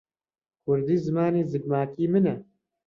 کوردی زمانی زگماکیی منە.